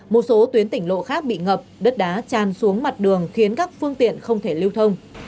một số tuyến tỉnh lộ khác bị ngập đất đá tràn xuống mặt đường khiến các phương tiện không thể lưu thông